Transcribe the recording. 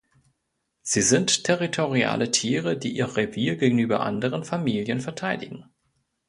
Sie sind territoriale Tiere, die ihr Revier gegenüber anderen Familien verteidigen.